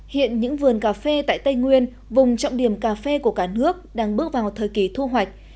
hiện những vườn cà phê tại tây nguyên vùng trọng điểm cà phê của cả nước đang bước vào thời kỳ thu hoạch